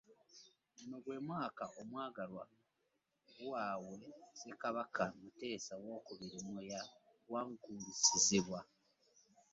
Guno gwe mwaka omwagalwa waabwe Ssekabaka Muteesa Owookubiri mwe yawangangusirizibwa.